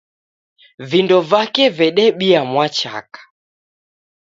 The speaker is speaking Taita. Vindo vake vedebia mwachaka